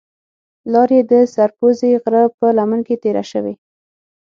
لار یې د سر پوزې غره په لمن کې تېره شوې.